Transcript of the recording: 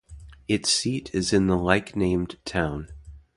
Its seat is in the like-named town.